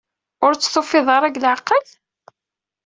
Ur tt-tufiḍ ara deg leɛqel?